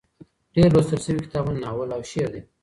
ډېر لوستل شوي کتابونه ناول او شعر دي.